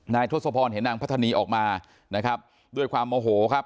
ทศพรเห็นนางพัฒนีออกมานะครับด้วยความโมโหครับ